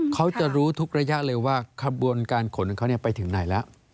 เขาจะรู้ทุกระยะเลยว่าขบวนการขนของเขาไปถึงไหนแล้ว